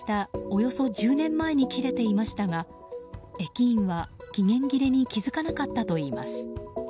およそ１０年前に切れていましたが駅員は、期限切れに気づかなかったといいます。